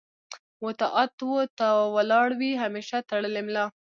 و طاعت و ته ولاړ وي همېشه تړلې ملا